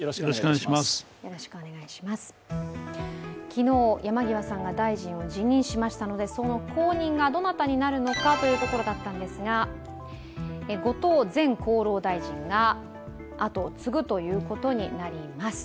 昨日、山際さんが大臣を辞任しましたのでその後任がどなたになるのかというところだったんですが後藤前厚労大臣が後を継ぐことになります。